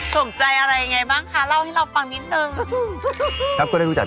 สงใจอะไรแบบไงบ้างคะ